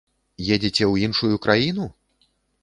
Едзеце ў іншую краіну?